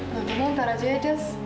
mendingan ntar aja ya jes